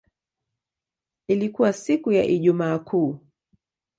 Ilikuwa siku ya Ijumaa Kuu.